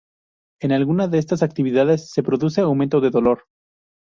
En alguna de estas actividades se produce aumento del dolor.